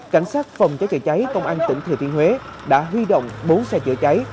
cảnh sát phòng cháy chữa cháy công an tỉnh thừa thiên huế đã huy động bốn xe chữa cháy